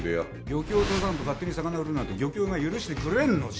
漁協を通さんと勝手に魚売るなんて漁協が許してくれんのじゃ。